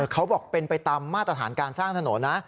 เขาบอกเป็นไปตามมาตรฐานการสร้างถนนนะ